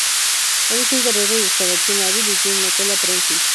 Él es un guerrero y espadachín hábil, y tiene una cola prensil.